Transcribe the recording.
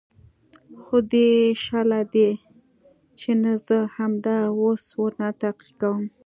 خو دى شله ديه چې نه زه همدا اوس ورنه تحقيق کوم.